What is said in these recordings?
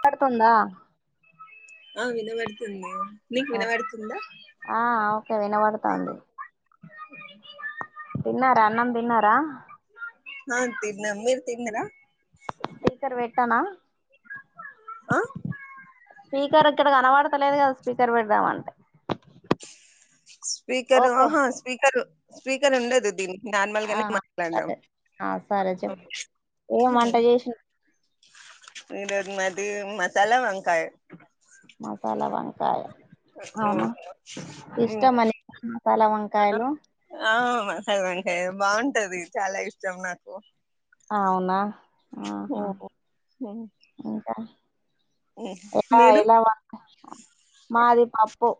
వినబడుతుందా ఆ వినబడుతుంది నీకు వినబడుతుందా వినబడుతాంది తిన్నారా అన్నం తిన్నారా హా తిన్న మీరు తిన్నర స్పీకర్ పెట్టానా ఆ స్పీకర్ ఇక్కడ కనబడతలేదు కదా స్పీకర్ పెడదామంటే స్పీకరూ ఓకే ఆహా స్పీకరూ స్పీకర్ ఉండదు దీనికి నార్మల్ ఆ గానే మాట్లాడడం సరే ఆ సరే చెప్పు ఏం వంట చేసిన మీరుద్ మది మ స్లవంకాయి మసాలా వంకాయ అవునా ఉమ్. ఇష్టమని మసాలా వంకాయలు ఆ మసాల వంకాయ బాగుంటది చాలా ఇష్టం నాకు అవునా ఆహా ఉమ్. ఉమ్. ఇంకా ఉమ్. ఎలా మీరు ఎలా మాది పప్పు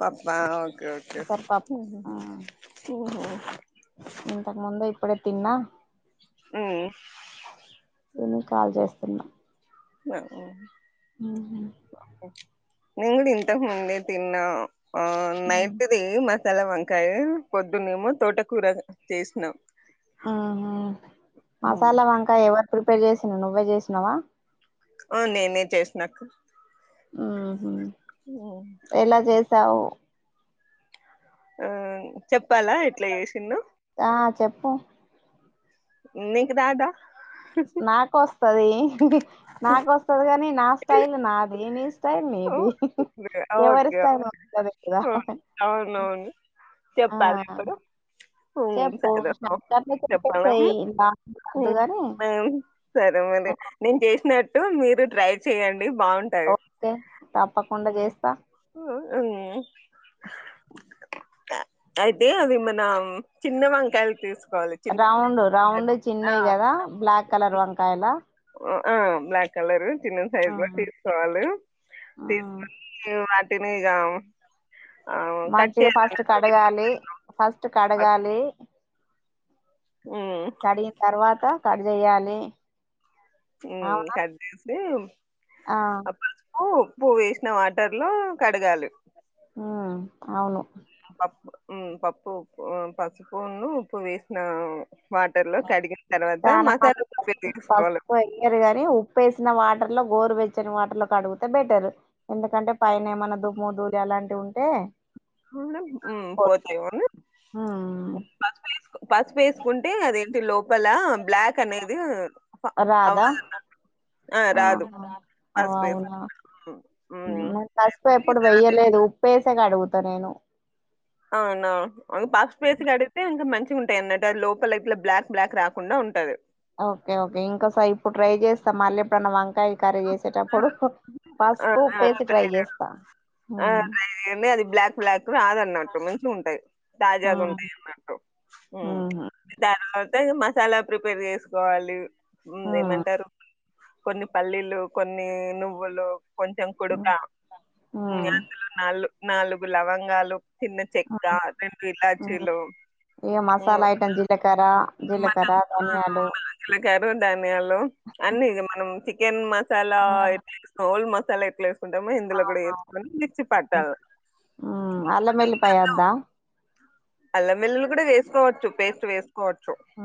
పప్పా ఓకే ఓకే పెసరి పప్పు ఓకే ఆ, హా హా ఇంతకు ముందు ఇప్పుడే తిన్నా అ అర ఉ ఓ నుేను కూడా ఇంతకు ముందే తిన్నా ఆ ఉమ్. నైట్ది మ తెల్ల వంకాయ పొద్దున్నేమో తోటకూర చేసినాం హ్మ్. మసాలా వంకాయ ఎవరు ప్రిపేర్ చేసిన నువ్వే చేసినవా నేనే చేసినకు ఆహ హు స ఆ చె పలా ఎట్లా చేసి ను ప్ప ఇకుదాదా నాకు వస్త ప్పది నాకు వస్తుది కాని నా స్టైల్ నాకు అమస్ మీది ఓహ్! ఓకే ఎవరూ ఓకే ఇస్తారు అవును. అవునవును ఆ హు చెప్పు సరే షార్ట్కట్ లో చెప్పడం చెప్పేసేయ్ లాంగ్ హు వద్దుగాని సరే మరి నేను చేసిన ట్టు మీరు ట్రై చెయండి బాగుంటాయి ఓకే తప్పకుండా చేస్తా అయితే అవి మన చిన్న వంకాయలు తీసుకు రౌండ్ రౌండ్ చిన్నయి కదా బ్లాక్ కలర్ వంకాయలా ఆ బ్లాక్ కలరు తన్న సైజ్ ఆ మా తీసుకోవాల తె ఆ స మాటి న గవ మంచిగా ఫస్ట్ కడగాలి ఫస్ట్ కడగాలి ఉమ్ కడి తరువాత కట్ చెయ్యాలి కద్ద ఏ ఆ అప్పుడు ఉప్పు వేసిన వాటర్ లో కడగాలి హ అవును పప్పు పప్పు ఉప్పు పసుపున్న ఉప్పు వేసిన వాటర్ లో కడిగిన తర్వాత చాలా మసాలా మంది ప్రిపేర్ చేసుకోవాలి పసుపు అయ్యారు గాని ఉప్పుఏసిన వాట వాటర్ లో గోరువచ్చని వాటర్ లో కడుడిగితే బెటర్ ఎందుకంటే పైన ఏమన్నా దుమ్ము దూలి అలాంటివి ఉంటే హ్మ్ పో- పోట్లే మళ్ళీ ఉమ్ పసుపు వేసుకుంటే అదేంటి లోపల బ్లాక్ అనేది రాదా అవ్వాలన్నా ఆ రాదు ఆహా ఓ అవునా ఉమ్, సగా అడుగుతా నేను అవునా అ పాక్స్ట్ ప్లేస్ అడితే అంకా మంచిష ఉంటాయి అన్నంటే లోపల ఇట్లా బ్లాక్ బ్లాక్ రాకుండా ఉంటది ఓకే ఓకే ఇంకోసారి ఇప్పుడు ట్రై చేస్తాం మళ్ళీ ఎప్పుడున్న వంకాయ కరీ చేసేటప్పుడు ఆ! పస్పు ఆ! ఉప్పేసి డ్రై ట్రై చేస్తా ఆ ఉమ్, అే అది బ్లాక్్లాక్ రాదన్నట్టు మంచిగా ఉంటాయి తాజాగా ఉమ్, ఉంటాయి అన్నట్ హు ఉమ్, మత్త మసాలా ప్రిపేర్ చేసుకోవాలి హు ఉమ్, ఏమంటారు కొన్ని పల్లీలు కొన్ని నువ్వులు కొంచెం కుడుక ఉమ్, ఉమ్, అందులో నాళ్ళు నాలుగు లవంగాలు చిన్న చెక్క రెండు ఉమ్. ఇల్లాచీలు ఇక మసాలా ఐటమ్ జీలకర్ర జీలకర్ర ధనియాలు జిలకర ధానియాలు అన్ని మనం చికెన్ మసాలా ఎట్లా ఇస్తామో మసాల ఎట్లే ఆ అల మేలి పయద్దా అల్లమెల్లులు కూడా వేసుకోవచ్చు పేస్ట్ వేకో హ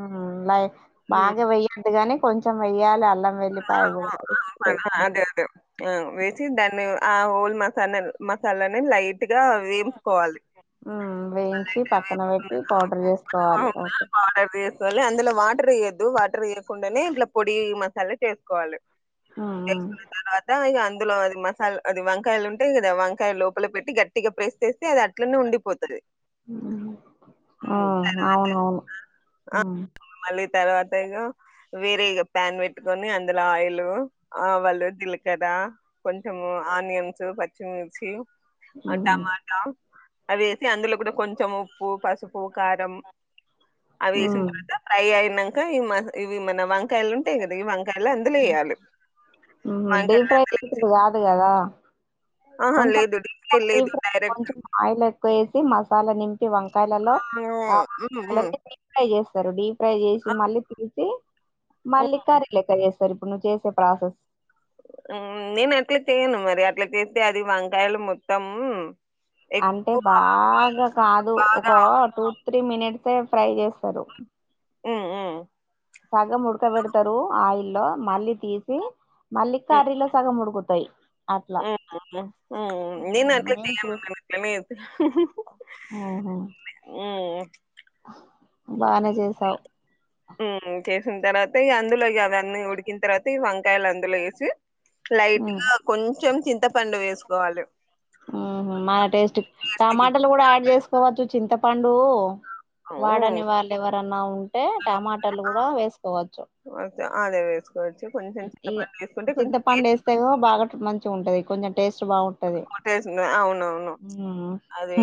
లైట్ బాగా వెయ్యద్దు గాని కొంచెం వెయ్యాలి అల్లం వెళ్ళి అదే అదే ఆ వేసి దాన్ని ఆ హోల్ మసాలా మసాలాని లైట్ గా వేంపుకోవాలి వేయించి పక్కన పెట్టి పౌడర్ చేసుకోవాలి ఓకే పౌడర్ వేసుకోవాలి అందులో వాటర్ వేయొద్దు వాటర్ ఇయకుండానే ఇట్లా పొడి ఈ మసాలా చేస్త కోవాలి ఉమ్, దధ అందులో అది మసాలా అది వంకాయలు ఉంటే కదా వంకాయలు లోపల పెట్టి గట్టిగా ప్రెస్ చేస్తే అది అట్లనే ఉండిపోతది ఉమ్ ఆ ఉమ్. అవునవును తర్వాత ఉమ్ మళ్ళీ తర్వాత ఇక వేరే ఇ ప్యాన్ పెట్టుకొని అ అందులో ఆయిల్ ఆవలు జిలకర్ర కొంచెము ఆనియన్స్ పచ్చిమిర్చి ఆ హ్మ్ టమాటో అదేసి అందులో కూడా కొంచెం ఉప్పు పసుపు కారం అవి వేసిన హ్మ్. తర్వాత ఫ్రై అయిన ఇంకా ఈ ఇవి మన వంకాయలు ఉంటాయి కదా వంకాయ డీప్ వంకాయలు అందులో వేసి ఫ్రైలు కాదు కదా ఆహా లేదు డి ఫ్రై లేదు డైరెక్ట్ వేసి మసాలా నింపి వంకాయలలో హ్మ్. ఆ హ్మ్. హ్మ్. వంకాయలని డి ఫ్రై చేస్తా డీప్ ఫ్రై చేసి ఆ! మళ్ళీ తీసి మల్లి హ్మ్. కారలేకయస్త సరే ఇప్పుడు నువ్వు చేసే ప్రాసెస్ నేను అట్లా చేయను మరి అట్లా చేస్తే అది వంకాయలు మొత్తం అంటే ఎక్కువ బాగా కాదు ఒక బాగా టూ త్రీ మినిట్స్ కే ప్ర్రై చేస్త సదు ఉమ్ ఉమ్ లో మళ్ళీ తీసి మళ్ళీ కర్రీలో సగం ఉడుకుతాయి. అట్లా. ఉమ్ నేను ఉమ్, అట్ చేయ చూస్ ఇట్లానే చేస్తున్నా ఓహో! ఉమ్ బానే చేసావు ఉమ్ చేసిన తర్వాత ఈ అందులో అవ అన్నీ ఉడికిన తర్వాత ఈ వంకాయలు అందులో వేసి లైట్గా ఉహు కొంచెం చింత పెద్ద పండు వేసుకోవాలి మన టేస్ట్ టేస్ట్‌కి. టమాటలు కూడా యాడ్ చేసుకోవచ్చు చింత పండువు హ్మ్. వాడని వాళ్ళు ఎవరన్నా ఉంటే టమాటాలు కూడా వేసుకోవచ్చు ఆద వే ఇక చింత పండు టేస్ట్ వేస్తే బాగా మంచిగా ఉంటది కొంచెం టేస్ట్ హటే అవునవును అది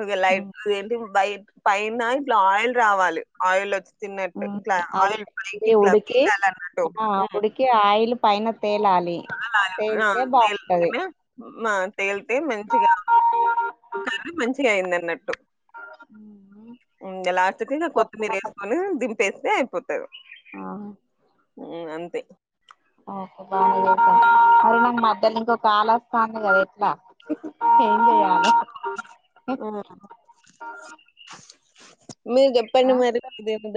ఒక లైట్ ఏంటి బయ పైనా ఇట్లా ఆయిల్ రావాలి ఆయిల్ వచ్చి తిన్నట్టు ఇట్లా ఆయిల్ పైకి అదే ఇట్లా ఉడికి వీలాల అన్నట్టు ఆ ఉడికి ఆయిల్ పైన తేలాలి తేలితే బాగుంటది లా తే తేలితే మంచిగా క మంచిగా అయిందన ట్టు ఎగా లాస్ట్కు కొత్తిమీర వేసుకని దిం ఉప్పు వేస్తే అయిపో ఆ అంత ప ఓకే బాగా చేసాను మరే న మధ్యలో ఇంకొక ఆమే వస్తుంది కదా ఎట్లా ఏం చేయలే హ్మ్. మీకు ఎప్పన్న మరి